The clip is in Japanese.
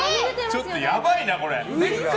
ちょっとやばいな、これ。